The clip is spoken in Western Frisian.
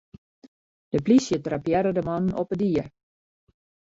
De polysje trappearre de mannen op 'e die.